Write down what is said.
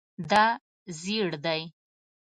دا زیړ دی